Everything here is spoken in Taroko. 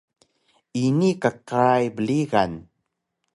ini kkray brigan